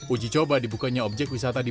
uji coba dibukanya objek wisata di